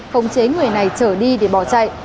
không chế người này trở đi để bỏ chạy